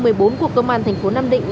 của công an tp nam định